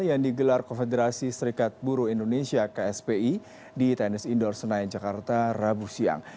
yang digelar konfederasi serikat buru indonesia kspi di tenis indoor senayan jakarta rabu siang